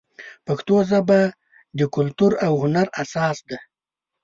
پښتو ژبه د کلتور او هنر اساس دی.